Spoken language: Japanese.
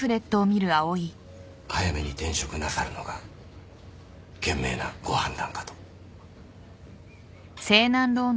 早めに転職なさるのが賢明なご判断かと。